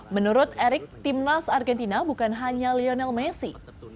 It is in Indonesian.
menurut erick timnas argentina bukan hanya lionel messi